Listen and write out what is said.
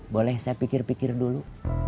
boleh saya pikir pikir dulu